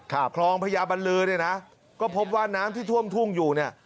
คลองพญาบันลือเนี่ยนะก็พบว่าน้ำที่ท่วมทุ่งอยู่เนี่ย